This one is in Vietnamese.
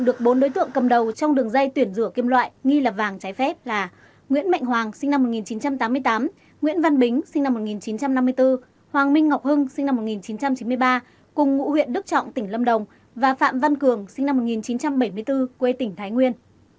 nhóm đối tượng cầm đầu trong đường dây tuyển rửa kim loại nghi lập vàng trái phép là nguyễn mạnh hoàng sinh năm một nghìn chín trăm tám mươi tám nguyễn văn bính sinh năm một nghìn chín trăm năm mươi bốn hoàng minh ngọc hưng sinh năm một nghìn chín trăm chín mươi ba cùng ngụ huyện đức trọng tỉnh lâm đồng và phạm văn cường sinh năm một nghìn chín trăm bảy mươi bốn quê tỉnh thái nguyên